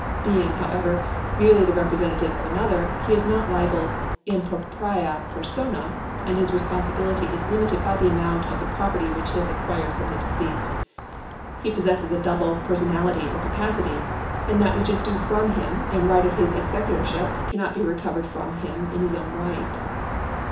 Being, however, merely the representative of another, he is not liable in propria persona, and his responsibility is limited by the amount of the property which he has acquired from the deceased. He possesses a double personality or capacity, and that which is due from him in right of his executorship cannot be recovered from him in his own right.